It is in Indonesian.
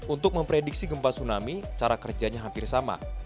untuk memprediksi gempa tsunami cara kerjanya hampir sama